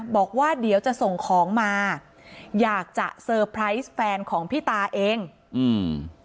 บอกว่าเดี๋ยวจะส่งของมาอยากจะแฟนของพี่ตาเองอืม